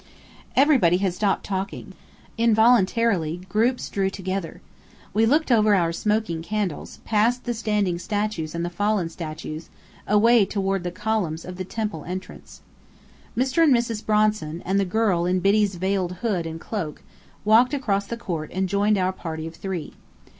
Everybody had stopped talking. Involuntarily groups drew together. We looked over our smoking candles, past the standing statues and the fallen statues, away toward the columns of the temple entrance. Mr. and Mrs. Bronson, and the girl in Biddy's veiled hood and cloak, walked across the court and joined our party of three.